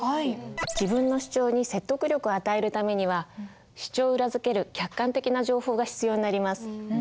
自分の主張に説得力を与えるためには主張を裏づける客観的な情報が必要になります。